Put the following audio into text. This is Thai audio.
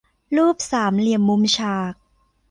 รูปสามเหลี่ยมมุมฉาก